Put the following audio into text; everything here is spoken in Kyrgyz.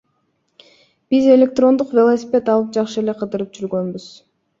Биз электрондук велосипед алып жакшы эле кыдырып жүргөнбүз.